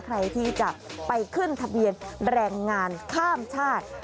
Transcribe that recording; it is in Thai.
ใครที่จะไปขึ้นทะเบียนแรงงานข้ามชาติ